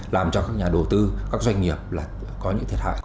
làm cho các nhà đầu tư các doanh nghiệp có những thiệt hại